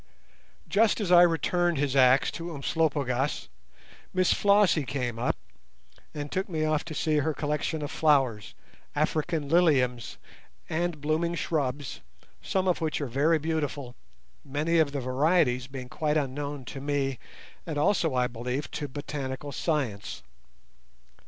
Just as I returned his axe to Umslopogaas, Miss Flossie came up and took me off to see her collection of flowers, African liliums, and blooming shrubs, some of which are very beautiful, many of the varieties being quite unknown to me and also, I believe, to botanical science.